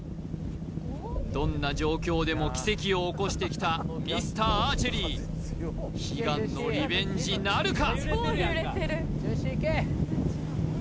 どんな状況でも奇跡を起こしてきたミスターアーチェリー悲願のリベンジなるか？